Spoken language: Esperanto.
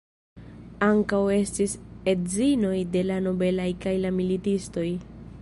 Ankaŭ estis edzinoj de la nobelaj kaj la militistoj.